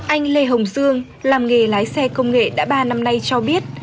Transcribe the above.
anh lê hồng dương làm nghề lái xe công nghệ đã ba năm nay cho biết